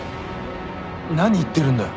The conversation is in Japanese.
何言ってるんだよ？